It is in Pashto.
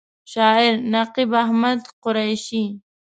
شاعر: نقیب احمد قریشي